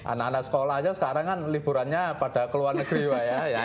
anak anak sekolah aja sekarang kan liburannya pada keluar negeri ya